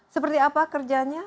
seperti apa kerjanya